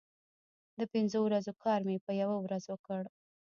د پنځو ورځو کار مې په یوه ورځ وکړ.